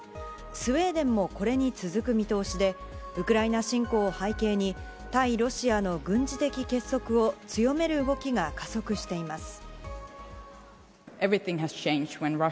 スウェーデンもこれに続く見通しで、ウクライナ侵攻を背景に、対ロシアの軍事的結束を強める動きが加速しています。